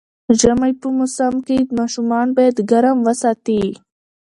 ژمی په موسم کې ماشومان باید ګرم وساتي